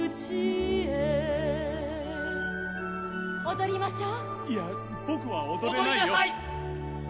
踊りましょう。